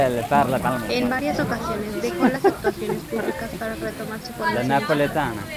En varias ocasiones dejó las actuaciones públicas para retomar su formación musical.